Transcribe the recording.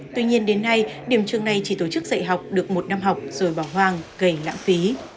tuy nhiên đến nay điểm trường này chỉ tổ chức dạy học được một năm học rồi bỏ hoang gây lãng phí